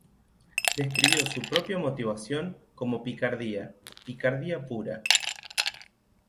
Describió su propia motivación como "picardía, picardía pura".